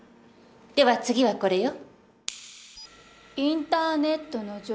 では次はこれよ。